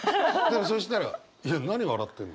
そしたらいや何笑ってんの？